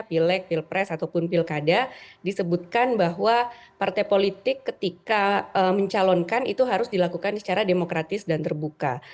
pilek pilpres ataupun pilkada disebutkan bahwa partai politik ketika mencalonkan itu harus dilakukan secara demokratis dan terbuka